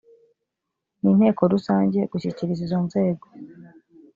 n inteko rusange gushyikiriza izo nzego